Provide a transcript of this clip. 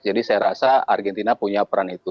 jadi saya rasa argentina punya peran itu